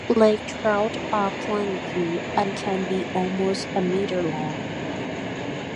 Lake trout are plentiful and can be almost a metre long.